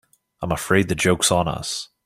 I'm afraid the joke's on us.